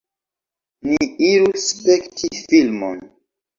Ni iru spekti filmon.